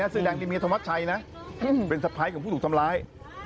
เสียงมีรธพวัฒนาไทยนะสิเป็นสะพ้ายของผู้ถูกทำร้าย